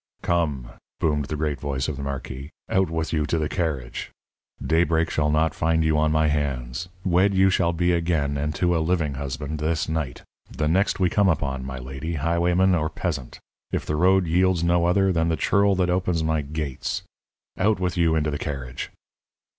"Come," boomed the great voice of the marquis, "out with you to the carriage! Daybreak shall not find you on my hands. Wed you shall be again, and to a living husband, this night. The next we come upon, my lady, highwayman or peasant. If the road yields no other, then the churl that opens my gates. Out with you into the carriage!"